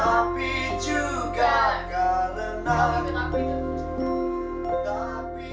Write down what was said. tapi juga karena